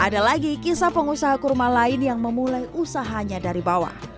ada lagi kisah pengusaha kurma lain yang memulai usahanya dari bawah